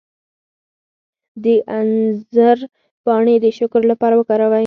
د انځر پاڼې د شکر لپاره وکاروئ